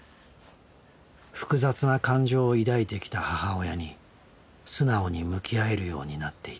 複雑な感情を抱いてきた母親に素直に向き合えるようになっていた。